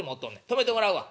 泊めてもらうわ」。